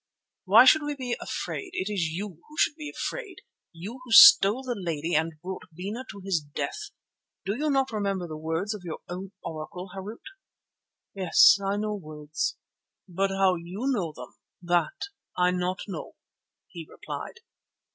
"Why should we be afraid? It is you who should be afraid, you who stole the lady and brought Bena to his death. Do you not remember the words of your own Oracle, Harût?" "Yes, I know words, but how you know them that I not know," he replied.